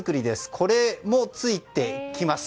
これも付いてきます。